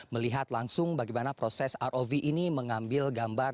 melihat langsung bagaimana proses rov ini mengambil gambar